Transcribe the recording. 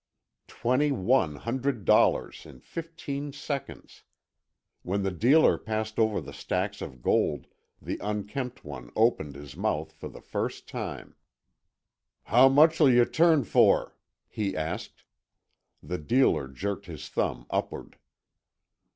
Twenty one hundred dollars in fifteen seconds! When the dealer passed over the stacks of gold, the unkempt one opened his mouth for the first time. "How much'll yuh turn for?" he asked. The dealer jerked his thumb upward.